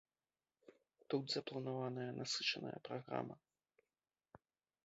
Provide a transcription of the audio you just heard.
Тут запланаваная насычаная праграма.